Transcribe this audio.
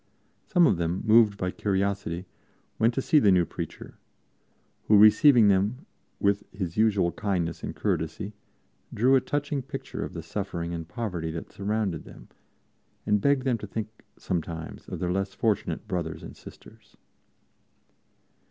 Some of them, moved by curiosity, went to see the new preacher, who, receiving them with his usual kindness and courtesy, drew a touching picture of the suffering and poverty that surrounded them and begged them to think sometimes of their less fortunate brothers and sisters.